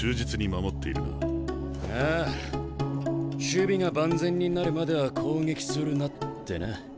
守備が万全になるまでは攻撃するなってな。